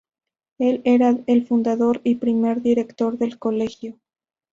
Él era el fundador y primer director del colegio.